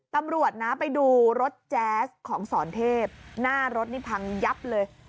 ตำรวจนะไปดูรถแจ๊สของสอนเทพหน้ารถนี่พังยับเลย